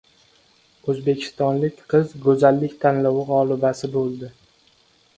O‘zbekistonlik qiz go‘zallik tanlovi g‘olibasi bo‘ldi